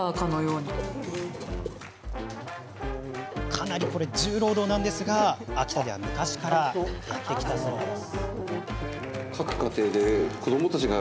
かなりの重労働なんですけれども秋田では昔からやってきたそうです。